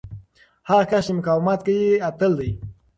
هغه کس چې مقاومت کوي، اتل دی.